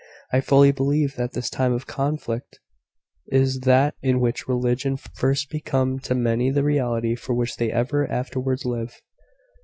I fully believe that this time of conflict is that in which religion first becomes to many the reality, for which they ever afterwards live.